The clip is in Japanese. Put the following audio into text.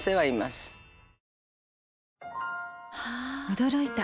驚いた。